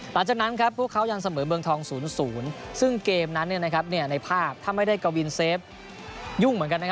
หลังจากนั้นพวกเขายังเสมอเมืองทอง๐๐ซึ่งเกมนั้นในภาพถ้าไม่ได้กวินเซฟยุ่งเหมือนกัน